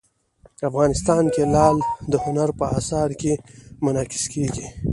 افغانستان کې لعل د هنر په اثار کې منعکس کېږي.